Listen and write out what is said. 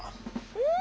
うん。